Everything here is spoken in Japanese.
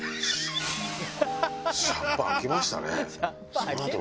シャンパン開けましたね。